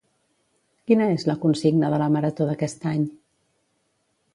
Quina és la consigna de La Marató d'aquest any?